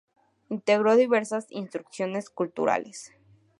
Integró diversas instituciones culturales.